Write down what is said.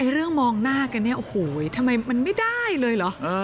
เรื่องมองหน้ากันเนี่ยโอ้โหทำไมมันไม่ได้เลยเหรอ